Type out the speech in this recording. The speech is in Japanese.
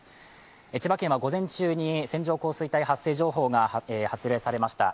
千葉県は午前中に線状降水帯発生情報が発令されました。